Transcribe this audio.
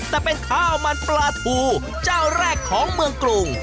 แต่เป็นข้าวมันปลาทูเจ้าแรกของเมืองกรุง